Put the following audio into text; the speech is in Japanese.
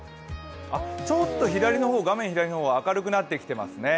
ちょっと画面の左の方は明るくなってきていますね。